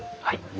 はい。